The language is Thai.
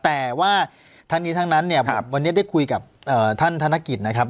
แต่ว่าทั้งนี้ทั้งนั้นเนี่ยวันนี้ได้คุยกับท่านธนกิจนะครับ